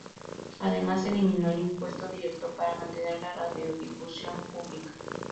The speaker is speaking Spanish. Además, se eliminó el impuesto directo para mantener la radiodifusión pública.